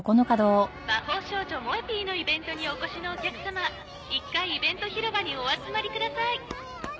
『ま・ほー少女もえＰ』のイベントにお越しのお客様１階イベント広場にお集まりください。